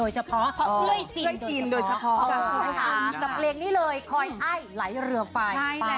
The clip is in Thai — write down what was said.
ใช่แหละ